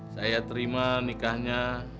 saya terima nikahnya